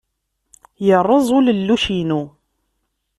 Yerreẓ ulelluc-inu.